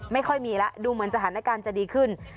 ไม่ค่อยมีล่ะดูเหมือนศาลย์หน้าการจะดีขึ้น